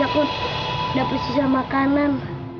aku gak peduli sama kanan